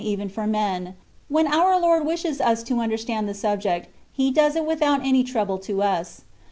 even for men. Wlien onr Lord wishes us to un derstand the subject^ He does it without any trouble to us.